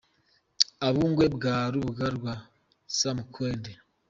U Bungwe bwa Rubuga rwa Samukende.